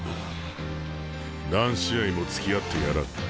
何試合もつきあってやらん。